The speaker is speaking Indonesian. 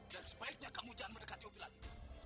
dan sebaiknya kamu jangan mendekati upi lagi